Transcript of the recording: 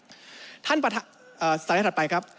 สถานที่ถัดไปครับ